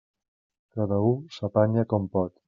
Cada u s'apanya com pot.